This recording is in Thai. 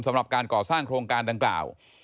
สำหรับการก่อสร้างโครงการดังกล่าว